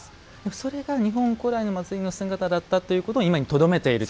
それが日本古来の祭りの姿だったということを今にとどめていると。